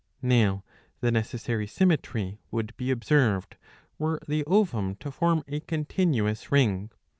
"*® Now the necessary symmetry would be observed, were the ovum to form a continuous ring.